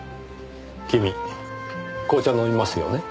君紅茶飲みますよね？